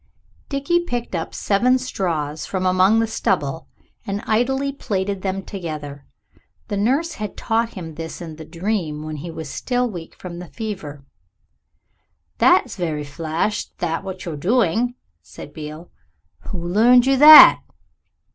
Dickie picked up seven straws from among the stubble and idly plaited them together; the nurse had taught him this in the dream when he was still weak from the fever. "That's very flash, that what you're doing," said Beale; "who learned you that?"